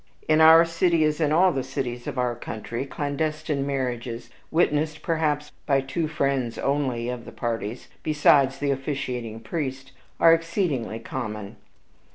In our city, as in all the cities of our country, clandestine marriages, witnessed, perhaps, by two friends only of the parties, besides the officiating priest, are exceedingly common.